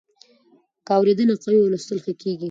که اورېدنه قوي وي، لوستل ښه کېږي.